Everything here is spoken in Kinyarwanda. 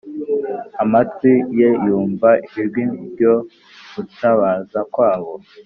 Amatwi ye yumva ijwi ryo gutabaza kwabo